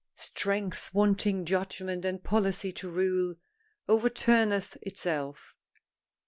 "Strength wanting judgment and policy to rule overturneth itself."